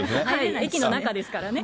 駅の中ですからね。